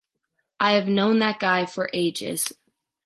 I have known that guy for ages.